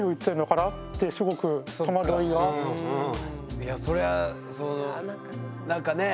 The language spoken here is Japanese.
いやそりゃあ何かね。